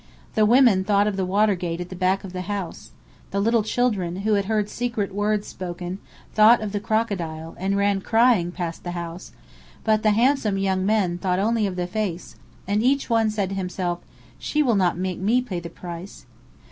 The women thought of the water gate at the back of the house; the little children, who had heard secret words spoken, thought of the crocodile, and ran crying past the house; but the handsome young men thought only of the face, and each one said to himself, "She will not make me pay the price."